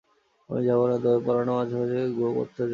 আমি যাব না তবে পরাণও মাঝে মাঝে গো ধরতে জানে।